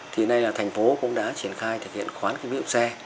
thì nay là thành phố cũng đã triển khai thực hiện khoán kinh phí xe